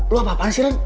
lo apaan sih ren